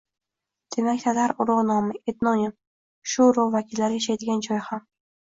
Demak, tatar – urug‘ nomi, etnonim. Shu urug‘ vakillari yashaydigan joy ham.